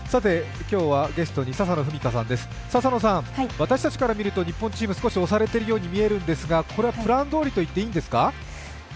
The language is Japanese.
今日はゲストに笹野文香さんです、笹野さん、私たちから見ると日本チーム、少し押されてるように見えるんですがこれはプランどおりと言っていいんですか？